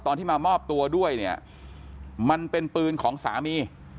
ตอนที่มามอบตัวด้วยเนี่ยมันเป็นปืนของสามี